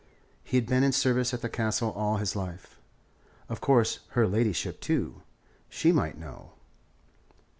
He had been in service at the Castle all his life. Of course, her ladyship, too, she might know.